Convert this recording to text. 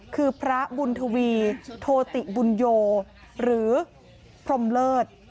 คือพระบุญทวีโทติบุญโยหรือพรมเลิศ